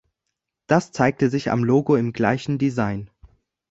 Das zeigte sich am Logo im gleichen Design.